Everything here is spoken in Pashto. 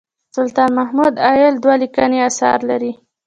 سلطان محمد عايل دوه لیکلي اثار لري.